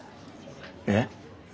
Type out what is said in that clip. えっ？